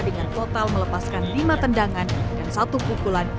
dengan total melepaskan lima tendangan dan satu pukulan